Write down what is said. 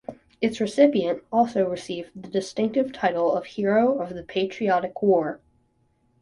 Its recipient also received the distinctive title of Hero of the Patriotic War.